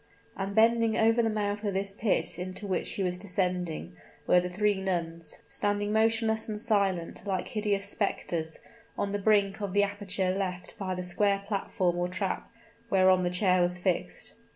And bending over the mouth of this pit into which she was descending were the three nuns standing motionless and silent like hideous specters, on the brink of the aperture left by the square platform or trap, whereon the chair was fixed.